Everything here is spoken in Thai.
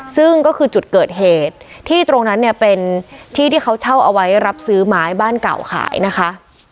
ซึ่งก็คือจุดเกิดเหตุที่ตรงนั้นเนี่ยเป็นที่ที่เขาเช่าเอาไว้รับซื้อไม้บ้านเก่าขายนะคะ